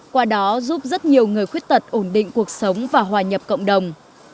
qua đó giúp rất nhiều người khuyết tật ổn định cuộc sống và hòa nhập cộng đồng